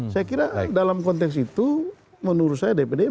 saya kira dalam konteks itu menurut saya dpd